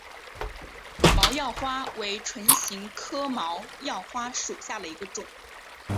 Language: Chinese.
毛药花为唇形科毛药花属下的一个种。